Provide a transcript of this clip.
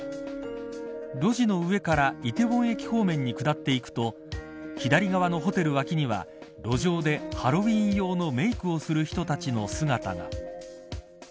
路地の上から梨泰院駅方面に下っていくと左側のホテル脇には路上でハロウィーン用のメークをする人たちの姿が。